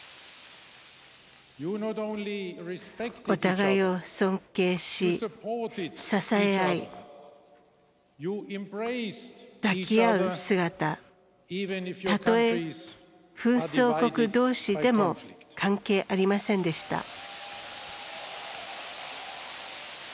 お互いを尊敬し、支え合い抱き合う姿たとえ紛争国同士でも関係ありませんでした。